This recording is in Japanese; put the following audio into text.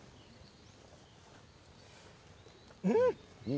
うん。